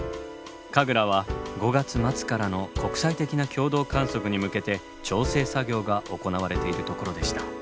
ＫＡＧＲＡは５月末からの国際的な共同観測に向けて調整作業が行われているところでした。